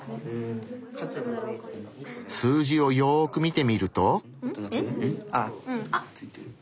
数字をよく見てみると。え？あっ！